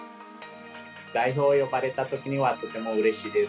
代表に呼ばれたときにはとてもうれしいです。